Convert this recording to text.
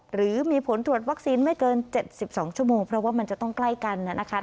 หรือมีผลตรวจวัคซีนไม่เกิน๗๒ชั่วโมงเพราะว่ามันจะต้องใกล้กันนะคะ